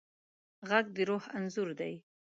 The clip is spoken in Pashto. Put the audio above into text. غږ د روح انځور دی